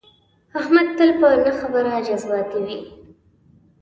احمد تل په نه خبره جذباتي وي.